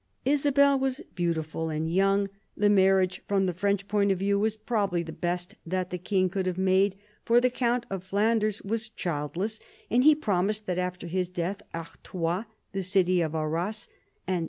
Isabel was beautiful and young. The marriage, from the French point of view, was probably the best that the king could have made, for the count of Flanders was childless, and he promised that after his death Artois — the "city of Arras, and S.